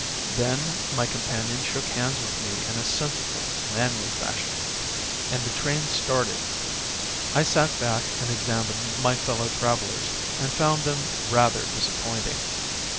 Then my companion shook hands with me in a sensible, manly fashion, and the train started. I sat back and examined my fellow travellers, and found them rather disappointing.